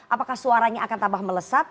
apakah suaranya akan tambah melesat